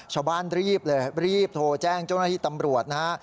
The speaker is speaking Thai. ชาวบ้านรีบเลยรีบโทรแจ้งเจ้าหน้าที่ตำรวจนะฮะ